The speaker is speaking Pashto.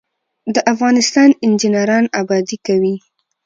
د افغانستان انجنیران ابادي کوي